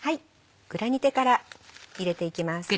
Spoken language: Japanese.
グラニテから入れていきます。